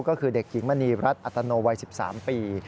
ก็คือเด็กหญิงมณีรัฐอัตโนวัย๑๓ปี